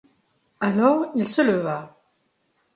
Alors il se leva.